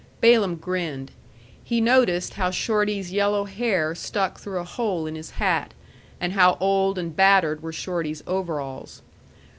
Balaam grinned. He noticed how Shorty's yellow hair stuck through a hole in his hat, and how old and battered were Shorty's overalls.